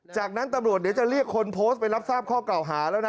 จากนั้นตำรวจเดี๋ยวจะเรียกคนโพสต์ไปรับทราบข้อเก่าหาแล้วนะ